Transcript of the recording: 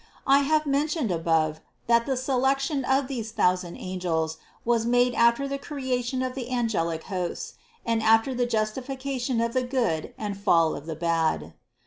I have mentioned above (No. 204) that the selection of these thousand angels was made after the creation of the angelic hosts, and after the justification of the good and fall of the bad.